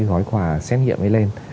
gói quà xét nghiệm ấy lên